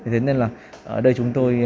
thế nên là ở đây chúng tôi